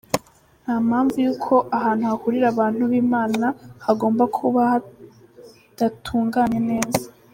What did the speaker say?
Nta mpamvu y’uko ahantu hahurira abantu b’Imana hagomba kuba hadatunganye neza.